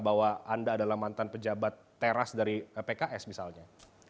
bahwa anda adalah mantan pejabat teras dari pks misalnya